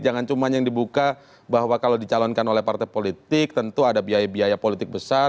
jangan cuma yang dibuka bahwa kalau dicalonkan oleh partai politik tentu ada biaya biaya politik besar